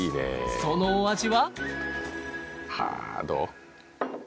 そのお味は？